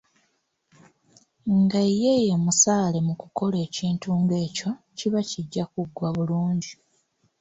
Nga ye ye musaale mukukola ekintu ng'ekyo, kiba kijja kuggwa bulungi.